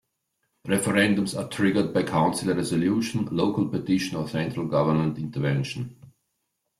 Referendums are triggered by council resolution, local petition or central government intervention.